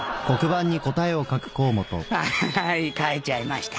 はーい書いちゃいました。